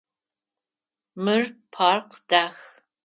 Мыр парк дах.